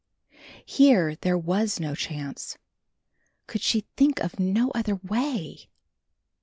Here there was no chance; could she think of no other way?